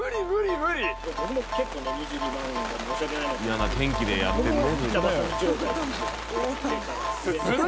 嫌な天気でやってるね。